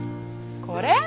これ？